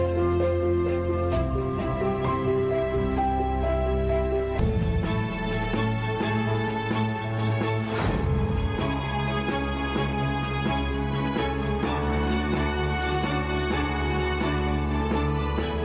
สวัสดีครับ